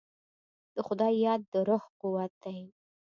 د خدای یاد د روح قوت دی.